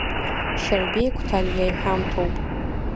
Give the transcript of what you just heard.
Шьарбеи Қәҭалиаиҳәамҭоуп.